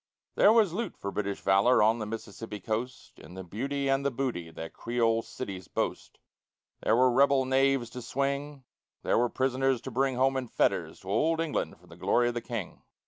There was loot for British valor on the Mississippi coast In the beauty and the booty that the Creole cities boast; There were rebel knaves to swing, there were prisoners to bring Home in fetters to old England for the glory of the King!